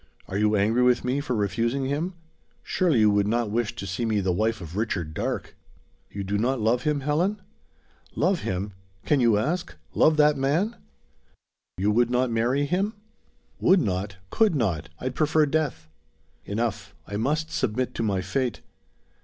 Are you angry with me for refusing him? Surely you would not wish to see me the wife of Richard Darke?" "You do not love him, Helen?" "Love him! Can you ask? Love that man!" "You would not marry him?" "Would not could not. I'd prefer death." "Enough; I must submit to my fate."